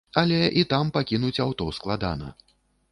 Але і там пакінуць аўто складана.